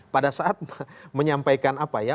pada saat menyampaikan apa ya